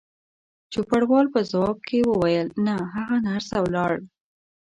چوپړوال په ځواب کې وویل: نه، هغه نرسه ولاړل.